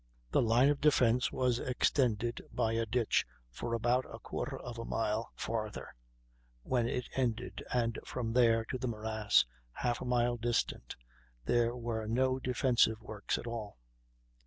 The line of defence was extended by a ditch for about a quarter of a mile farther, when it ended, and from there to the morass, half a mile distant, there were no defensive works at all.